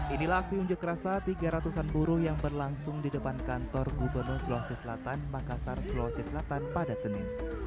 inilah aksi unjuk rasa tiga ratusan buruh yang berlangsung di depan kantor gubernur sulawesi selatan makassar sulawesi selatan pada senin